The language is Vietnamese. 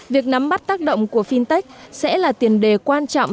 việc nắm bắt tác động của fintech sẽ là tiền đề quan trọng